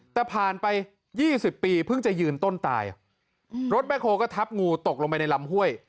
แต่ผ่านไป๒๐ปีเพิ่งจะยืนต้นตายรถแคลก็ทับงูตกลงไปในลำห้วย